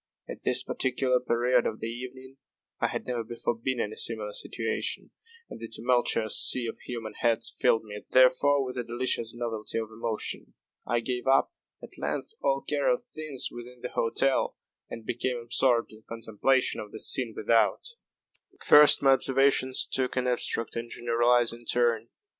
At this particular period of the evening I had never before been in a similar situation, and the tumultuous sea of human heads filled me, therefore, with a delicious novelty of emotion. I gave up, at length, all care of things within the hotel, and became absorbed in contemplation of the scene without. At first my observations took an abstract and generalizing turn.